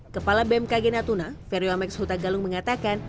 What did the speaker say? kepala bmkg natuna feriwamex huta galung mengatakan